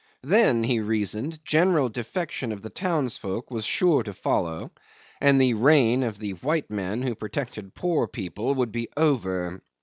Then, he reasoned, general defection of the townsfolk was sure to follow, and the reign of the white man who protected poor people would be over.